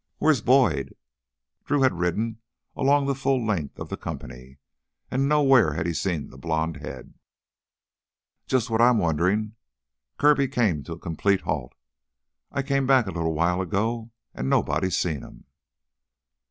"Where's Boyd?" Drew had ridden along the full length of the company and nowhere had he seen that blond head. "Jus' what I'm wonderin'." Kirby came to a complete halt. "I came back a little while ago, and nobody's seen him."